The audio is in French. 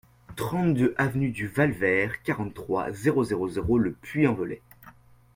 trente-deux avenue du Val Vert, quarante-trois, zéro zéro zéro, Le Puy-en-Velay